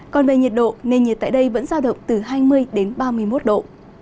còn về nhiệt độ nền nhiệt tại đây vẫn giao động từ hai mươi đến ba mươi một độ